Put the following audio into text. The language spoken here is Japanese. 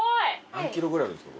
何キロぐらいあるんですか？